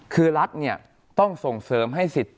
คือรัฐเนี่ยต้องส่งเสริมให้สิทธิ์